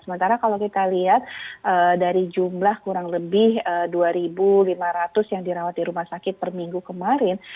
sementara kalau kita lihat dari jumlah kurang lebih dua lima ratus yang dirawat di rumah sakit per minggu kemarin